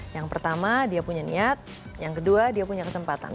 yang pertama dia punya niat yang kedua dia punya kesempatan